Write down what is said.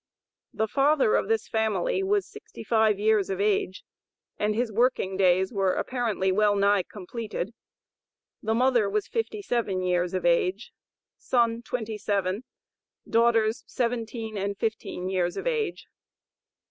The father of this family was sixty five years of age, and his working days were apparently well nigh completed. The mother was fifty seven years of age; son twenty seven; daughters seventeen and fifteen years of age.